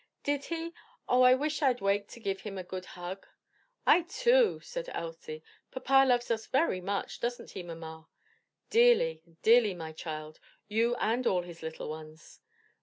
"Did he? Oh I wish I'd waked to give him a good hug!" "I too;" said Elsie, "Papa loves us very much, doesn't he, mamma?" "Dearly, dearly, my child; you and all his little ones."